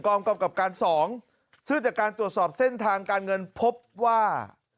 กำกับการสองซึ่งจากการตรวจสอบเส้นทางการเงินพบว่า